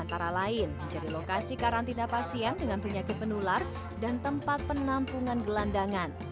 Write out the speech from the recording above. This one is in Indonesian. antara lain menjadi lokasi karantina pasien dengan penyakit menular dan tempat penampungan gelandangan